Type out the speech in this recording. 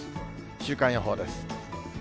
週間予報です。